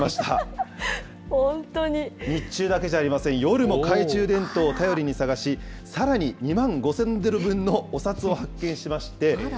日中だけじゃありません、夜も懐中電灯を頼りに探し、さらに２万５０００ドル分のお札を発見しまして。